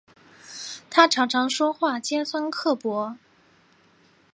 她常常说话尖酸刻薄